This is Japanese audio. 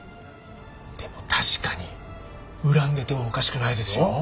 でも確かに恨んでてもおかしくないですよ。